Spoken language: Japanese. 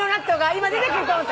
今出てくると思った。